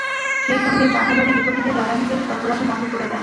সেই সঙ্গে বাঘাবাড়ী ডিপো থেকে জ্বালানি তেল সরবরাহ বন্ধ করে দেন।